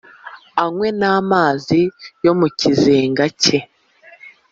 anywe n’amazi yo mu kizenga cye